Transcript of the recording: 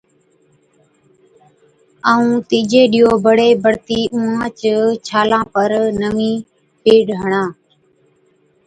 ائُون تِيجي ڏِيئو بڙي بڙتِي اُونهانچ ڇالان پر نوِين پيڊ هڻا۔